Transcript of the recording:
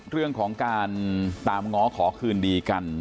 เรื่องของการตามง้อขอคืนดีกัน